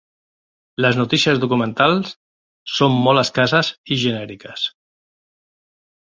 Les notícies documentals són molt escasses i genèriques.